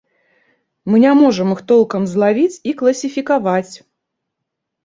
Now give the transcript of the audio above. Мы не можам іх толкам злавіць і класіфікаваць.